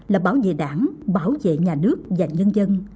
là bảo vệ đảng bảo vệ nhà nước và nhân dân